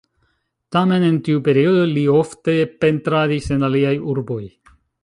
Tamen en tiu periodo li ofte pentradis en aliaj urboj.